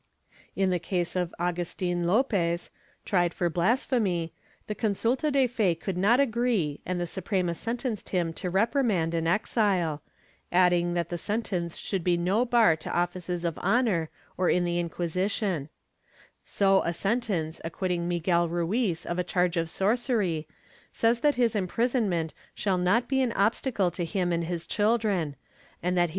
In the case of Agustin Lopez, tried for blasphemy, the consulta de fe could not agree and the Suprema sentenced him to repri mand and exile, adding that the sentence should be no bar to offices of honor or in the Inquisition. So a sentence, acquitting Miguel Ruiz of a charge of sorcery, says that his imprisonment shall not be an obstacle to him and his children, and that he shall ' Escobar d Cairo de Puritate, P. ii, Q. iv, § 3, n. 48. ' Archivo de Simancas, Inq.